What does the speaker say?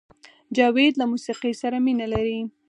جاوید له موسیقۍ سره مینه لرله